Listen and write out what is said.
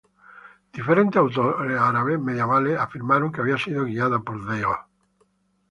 Diferentes autores árabes medievales afirmaron que había sido guiada por Dios.